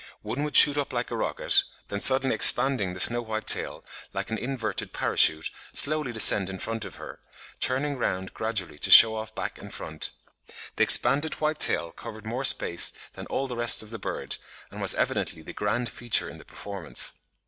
One would shoot up like a rocket, then suddenly expanding the snow white tail, like an inverted parachute, slowly descend in front of her, turning round gradually to shew off back and front...The expanded white tail covered more space than all the rest of the bird, and was evidently the grand feature in the performance.